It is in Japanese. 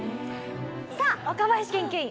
さあ若林研究員